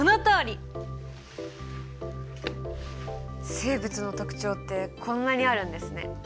生物の特徴ってこんなにあるんですね。